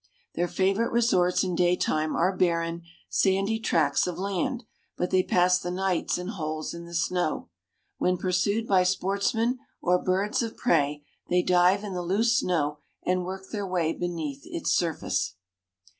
Their favorite resorts in day time are barren, sandy tracts of land, but they pass the nights in holes in the snow. When pursued by sportsmen or birds of prey they dive in the loose snow and work their way beneath its surface.